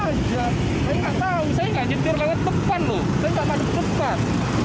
saya nggak tahu saya nggak jetir langit depan lho saya nggak masuk cepat